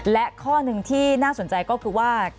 และข้อหนึ่งที่น่าสนใจก็คือว่า